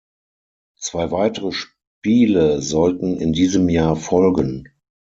Zwei weitere Spiele sollten in diesem Jahr folgen.